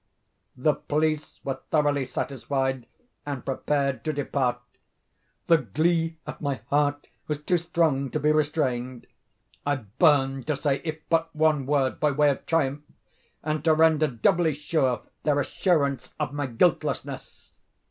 The police were thoroughly satisfied and prepared to depart. The glee at my heart was too strong to be restrained. I burned to say if but one word, by way of triumph, and to render doubly sure their assurance of my guiltlessness.